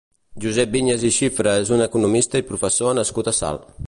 Josep Viñas i Xifra és un economista i professor nascut a Salt.